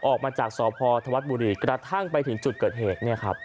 ออกมาจากสอพอร์ธวัฒน์บุรีกระทั่งไปถึงจุดเกิดเหตุ